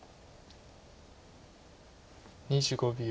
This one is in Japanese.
２５秒。